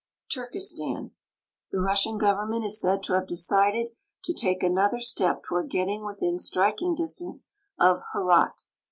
Turkestan. The Russian government is said to have decided to take another step toward getting within striking distance of Herat.